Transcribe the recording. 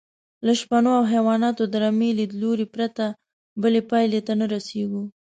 له شپنو او حیواناتو د رمې لیدلوري پرته بلې پایلې ته نه رسېږو.